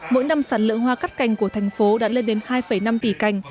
mỗi năm sản lượng hoa cắt cành của thành phố đã lên đến hai năm tỷ cành